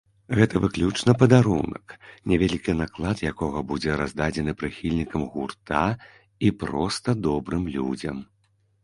Гэта выключна падарунак, невялікі наклад якога будзе раздадзены прыхільнікам гурта і проста добрым людзям.